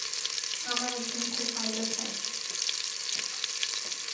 আমার একজন কো-পাইলট লাগবে।